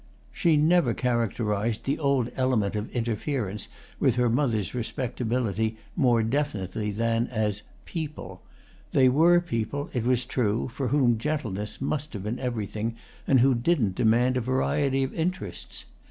She never characterised the old element of interference with her mother's respectability more definitely than as "people." They were people, it was true, for whom gentleness must have been everything and who didn't demand a variety of interests.